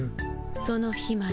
その日まで。